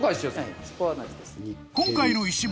［今回の石も］